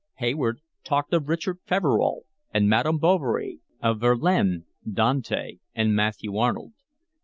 Hayward talked of Richard Feverel and Madame Bovary, of Verlaine, Dante, and Matthew Arnold.